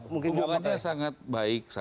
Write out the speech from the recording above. hubungannya sangat baik